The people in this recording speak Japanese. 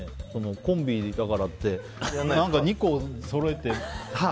コンビだからって、２個そろえてあっ！